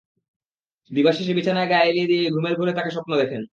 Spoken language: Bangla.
দিবাশেষে বিছানায় গা এলিয়ে দিলেই ঘুমের ঘোরে তাঁকে স্বপ্নে দেখেন।